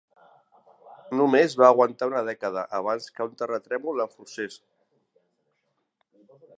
Només va aguantar una dècada abans que un terratrèmol l'enfonsés.